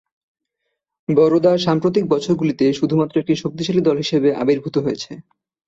বরোদা সাম্প্রতিক বছরগুলিতে শুধুমাত্র একটি শক্তিশালী দল হিসেবে আবির্ভূত হয়েছে।